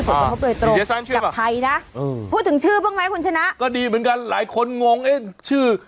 อืมพูดถึงชื่อบ้างไหมคุณชนะก็ดีเหมือนกันหลายคนงงเอ๊ะชื่อ